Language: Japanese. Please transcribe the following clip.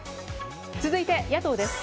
続いて野党です。